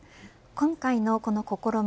今回のこの試み